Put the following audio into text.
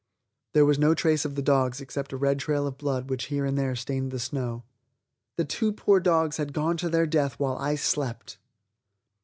There was no trace of the dogs except a red trail of blood which here and there stained the snow. The two poor dogs had gone to their death while I slept!